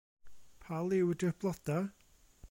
Pa liw ydi'r bloda'?